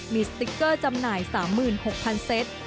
มีสติ๊กเกอร์จำหน่าย๓๖๐๐๐เซต